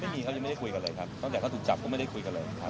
ไม่มีครับยังไม่ได้คุยกันเลยครับตั้งแต่เขาถูกจับก็ไม่ได้คุยกันเลยครับ